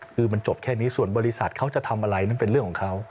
คือมันจบแค่นี้ส่วนบริษัทเขาจะทำอะไรนั่นเป็นเรื่องของเขา